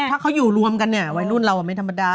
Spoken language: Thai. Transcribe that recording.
ถ้าเขาอยู่รวมกันวัแย่รุ่นเรามันไม่ธรรมดา